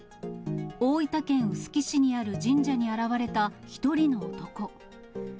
大分県臼杵市にある神社に現れた１人の男。